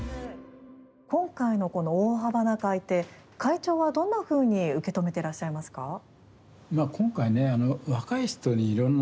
今回のこの大幅な改定会長はどんなふうに受け止めてらっしゃいますか？